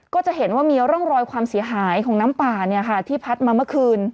ก็จะเห็นว่ามีร่องรอยความเสียหายของน้ำป่าเนี่ยค่ะที่พัดมาเมื่อคืน